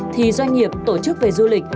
thì doanh nghiệp tổ chức về du lịch